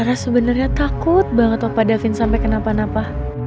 rara sebenernya takut banget opa davin sampe kenapa napa